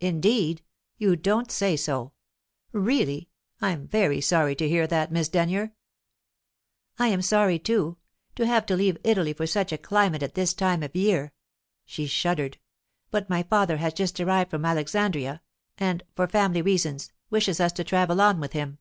"Indeed? You don't say so! Really, I'm very sorry to hear that, Miss Denyer." "I am sorry too to have to leave Italy for such a climate at this time of the year." She shuddered. "But my father has just arrived from Alexandria, and for family reasons wishes us to travel on with him."